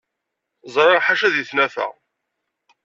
Ẓriɣ ḥaca di tnafa.